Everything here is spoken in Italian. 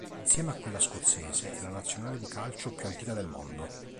Insieme a quella scozzese, è la nazionale di calcio più antica del mondo.